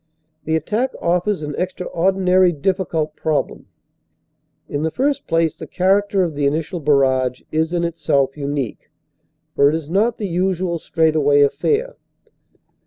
The attack offers an extraordinary difficult prob lem. In the first place the character of the initial barrage is in itself unique, for it is not the usual straight away affair.